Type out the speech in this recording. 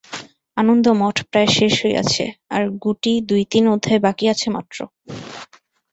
আনন্দমঠ প্রায় শেষ হইয়াছে, আর গুটি দুই-তিন অধ্যায় বাকি আছে মাত্র।